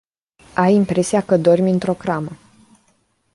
Ai impresia că dormi într-o cramă.